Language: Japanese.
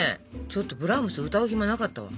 ちょっとブラームス歌う暇なかったわ。